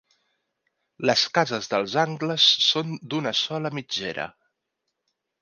Les cases dels angles són d'una sola mitgera.